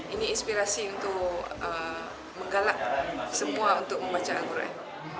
ini inspirasi untuk menggalak semua untuk membaca al quran